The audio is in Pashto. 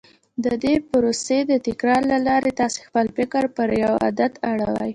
د دې پروسې د تکرار له لارې تاسې خپل فکر پر يوه عادت اړوئ.